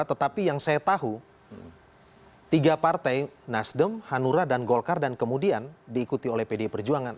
tetapi yang saya tahu tiga partai nasdem hanura dan golkar dan kemudian diikuti oleh pdi perjuangan